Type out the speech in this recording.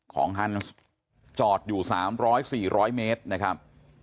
ของฮันส์จอดอยู่สามร้อยสี่ร้อยเมตรนะครับ